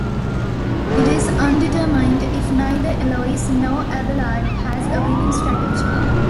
It is "undetermined" if neither Eloise nor Abelard has a winning strategy.